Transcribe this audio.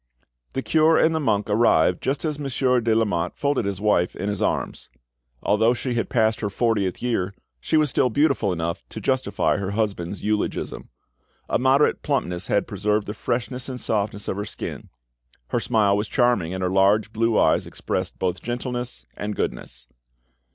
The cure and the monk arrived just as Monsieur de Lamotte folded his wife in his arms. Although she had passed her fortieth year, she was still beautiful enough to justify her husband's eulogism. A moderate plumpness had preserved the freshness and softness of her skin; her smile was charming, and her large blue eyes expressed both gentleness and goodness.